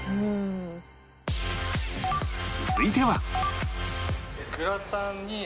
続いては